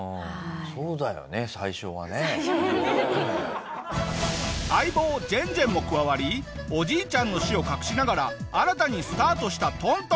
そうだよね最初はね。最初はね。相棒ジェンジェンも加わりおじいちゃんの死を隠しながら新たにスタートした東東。